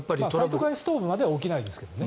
サイトカインストームまでは起きないですけどね。